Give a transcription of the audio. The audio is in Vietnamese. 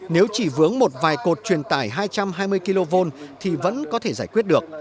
nếu chỉ vướng một vài cột truyền tải hai trăm hai mươi kv thì vẫn có thể giải quyết được